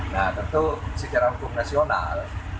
nah tentu secara hukum nasional